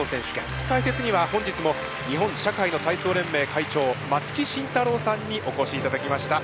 解説には本日も日本社会の体操連盟会長松木慎太郎さんにおこしいただきました。